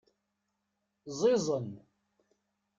Ẓiẓen.